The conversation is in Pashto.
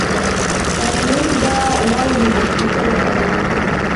رنګریز به راوړي، د سپیڅلو کائیناتو،